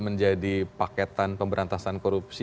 menjadi paketan pemberantasan korupsi